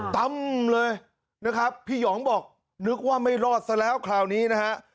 ตั้มเลยนะครับพี่หยองบอกนึกว่าไม่รอดซะแล้วคราวนี้นะฮะ